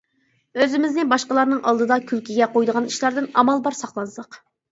ئۆزىمىزنى باشقىلارنىڭ ئالدىدا كۈلكىگە قويىدىغان ئىشلاردىن ئامال بار ساقلانساق.